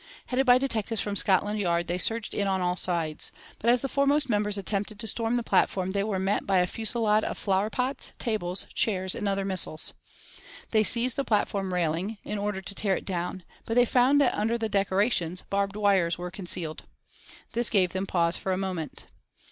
Headed by detectives from Scotland Yard, they surged in on all sides, but as the foremost members attempted to storm the platform, they were met by a fusillade of flower pots, tables, chairs, and other missiles. They seized the platform railing, in order to tear it down, but they found that under the decorations barbed wires were concealed. This gave them pause for a moment.